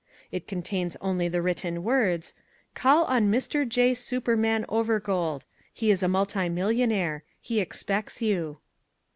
It contains only the written words, "Call on Mr. J. Superman Overgold. He is a multimillionaire. He expects you."